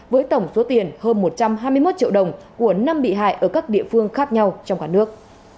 với tổng số tiền hơn một trăm hai mươi một triệu đồng của năm bị hại ở các địa phương khác nhau trong cả nước